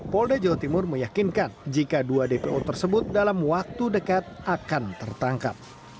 polda jawa timur meyakinkan jika dua dpo tersebut dalam waktu dekat akan tertangkap